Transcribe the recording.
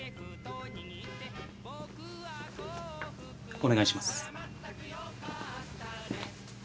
お願いします。